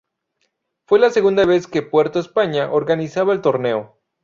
Fue la segunda vez que Puerto España organizaba el torneo.